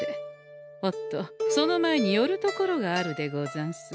おっとその前に寄る所があるでござんす。